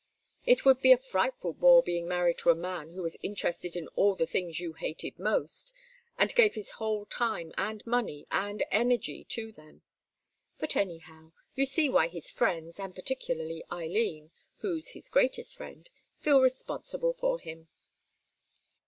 "It would be a frightful bore being married to a man who was interested in all the things you hated most, and gave his whole time and money and energy to them. But anyhow, you see why his friends, and particularly Eileen, who's his greatest friend, feel responsible for him."